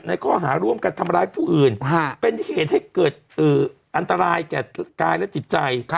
ข้อหาร่วมกันทำร้ายผู้อื่นเป็นเหตุให้เกิดอันตรายแก่กายและจิตใจ